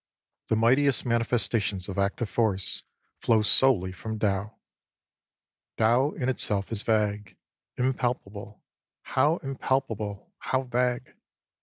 The mightiest manifestations of active force flow solely from Tao. Tao in itself is vague, impalpable, ŌĆö how im palpable, how vague !